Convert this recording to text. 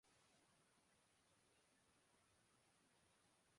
Atlantic time